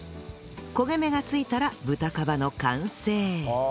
焦げ目が付いたら豚かばの完成